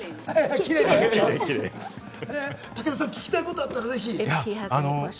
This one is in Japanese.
武田さん、聞きたいことがあったら、ぜひ。